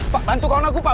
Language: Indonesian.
pak bantu kawan aku pak